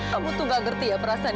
kamu tuh gak ngerti ya perasaan